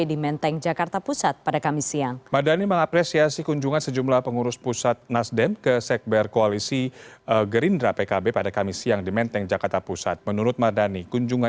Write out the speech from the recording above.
diterima oleh pkb dan gerindra